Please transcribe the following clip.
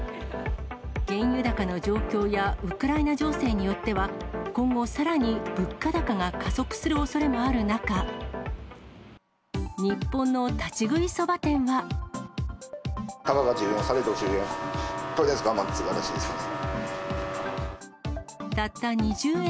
原油高の状況や、ウクライナ情勢によっては、今後さらに物価高が加速するおそれもある中、たかが１０円、されど１０円。